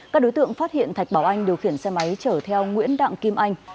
các đối tượng phát hiện thạch bảo anh điều khiển xe máy chở theo nguyễn đặng kim anh